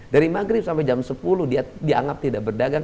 dari maghrib sampai jam sepuluh dia dianggap tidak berdagang